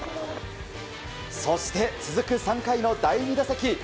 そして、続く３回の第２打席。